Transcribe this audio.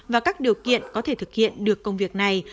và các điều kiện có thể thực hiện được công việc này